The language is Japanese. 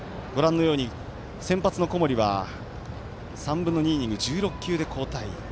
先発の小森は３分の２イニング１６球で交代。